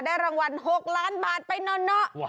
รางวัล๖ล้านบาทไปเนาะ